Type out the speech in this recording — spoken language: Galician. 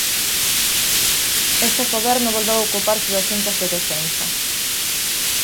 Este goberno volveu ocuparse das Xuntas de Defensa.